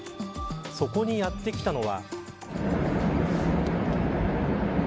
そこにやってきたのは。